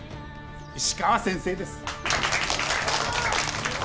石川先生です。